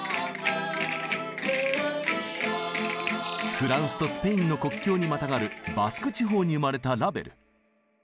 フランスとスペインの国境にまたがるバスク地方に生まれたラヴェル。